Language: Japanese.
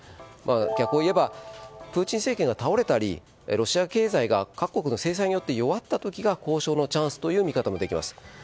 逆を言えばプーチン政権が倒れたりロシア経済が各国の制裁によって弱った時が交渉のチャンスという見方もできます。